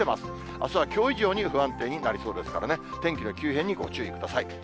あすはきょう以上に不安定になりそうですからね、天気の急変にご注意ください。